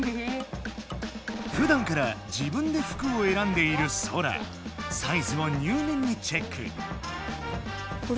ふだんから自分で服をえらんでいるソラサイズを入念にチェック。